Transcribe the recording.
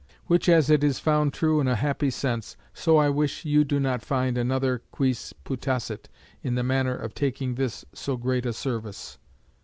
Which as it is found true in a happy sense, so I wish you do not find another Quis putasset in the manner of taking this so great a service.